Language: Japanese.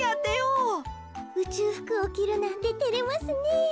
うちゅうふくをきるなんててれますねえ。